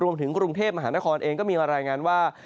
รวมถึงกรุงเทพมหานครเองก็มีมารายงานว่า